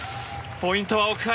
ポイントは奥原。